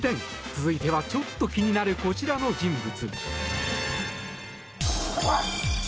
続いては、ちょっと気になるこちらの人物。